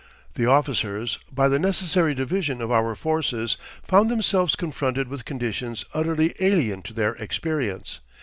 The officers, by the necessary division of our forces, found themselves confronted with conditions utterly alien to their experience.